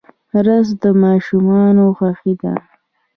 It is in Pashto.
رس د ماشومانو خوښي ده